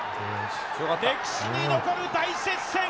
歴史に残る大接戦。